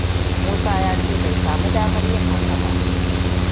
Musa ya ce bai sami damar yin haka ba.